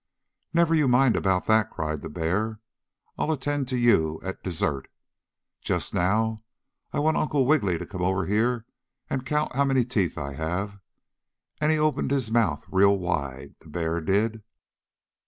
"Never you mind about that!" cried the bear. "I'll attend to you at dessert. Just now I want Uncle Wiggily to come here and count how many teeth I have," and he opened his mouth real wide, the bear did.